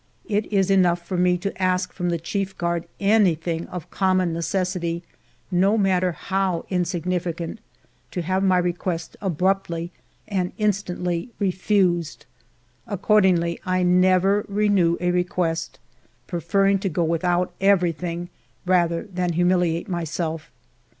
It is enough for me to ask from the chief guard anything of common necessity, no matter how insignificant, to have my request abruptly and instantly refused. Accordingly, I never renew a request, preferring to go without everything rather than humiliate myself.